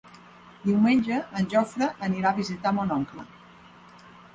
Diumenge en Jofre anirà a visitar mon oncle.